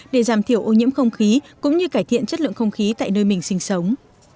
để giảm thiểu ô nhiễm không khí cũng như cải thiện chất lượng không khí tại nơi mình sinh sống